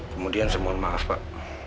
kemudian saya mohon maaf pak